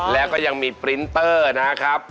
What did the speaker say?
แล้วก็ยังมีปรินเตอร์นะครับ